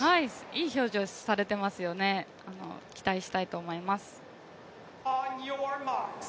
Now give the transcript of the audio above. いい表情をされていますよね、期待したいと思います。